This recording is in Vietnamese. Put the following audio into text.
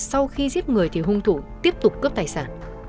sau khi giết người thì hung thủ tiếp tục cướp tài sản